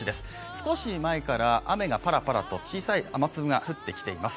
少し前から雨がパラパラと小さい雨粒が降ってきています。